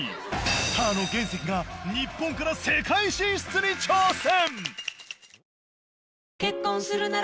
スターの原石が日本から世界進出に挑戦！